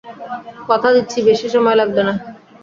কথা দিচ্ছি বেশি সময় লাগবে না।